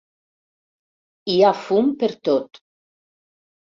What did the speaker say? Hi ha fum pertot.